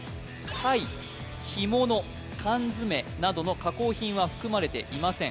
貝干物缶詰などの加工品は含まれていません